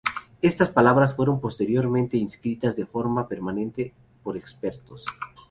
Esas palabras fueron posteriormente inscritas de forma permanente por expertos.